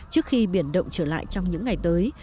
trước khi biển động trở lại trong những ngày tới